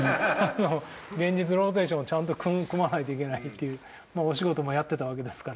現実のローテーションをちゃんと組まないといけないというお仕事もやってたわけですから。